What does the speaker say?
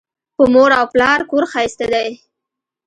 په مور او پلار کور ښایسته دی